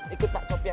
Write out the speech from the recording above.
ikut pak kopian